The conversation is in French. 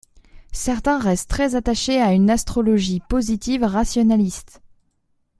Certains restent très attachés à une astrologie positive, rationaliste.